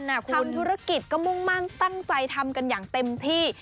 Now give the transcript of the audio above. ทำธุรกิจก็มุ่งมั่นตั้งใจทำกันอย่างเต็มที่